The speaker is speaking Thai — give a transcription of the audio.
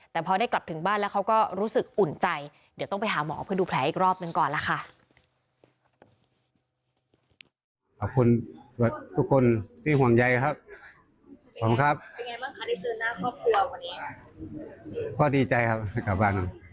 แต่พอได้กลับถึงบ้านแล้วเขาก็รู้สึกอุ่นใจเดี๋ยวต้องไปหาหมอเพื่อดูแผลอีกรอบหนึ่งก่อนล่ะค่ะ